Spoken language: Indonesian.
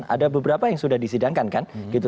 ada beberapa yang sudah disidangkan kan gitu